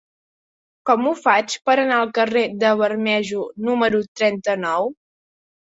Com ho faig per anar al carrer de Bermejo número trenta-nou?